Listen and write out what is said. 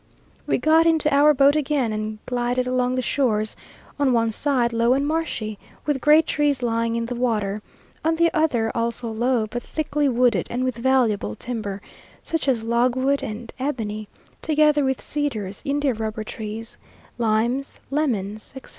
We got into our boat again and glided along the shores, on one side low and marshy, with great trees lying in the water; on the other also low, but thickly wooded and with valuable timber, such as logwood and ebony, together with cedars, India rubber trees, limes, lemons, etc.